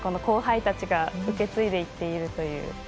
後輩たちが受け継いでいっているという。